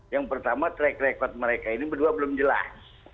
yang pertama track record mereka ini berdua belum jelas